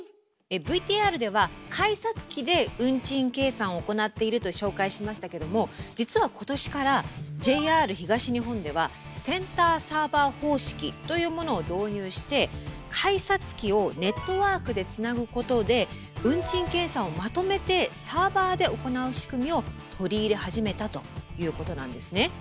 ＶＴＲでは「改札機で運賃計算を行っている」と紹介しましたけども実は今年からＪＲ東日本では「センターサーバー方式」というものを導入して改札機をネットワークでつなぐことで運賃計算をまとめてサーバーで行う仕組みを取り入れ始めたということなんですね。